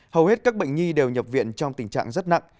hầu hết các bệnh nhi đều nhập viện trong tình trạng rất nặng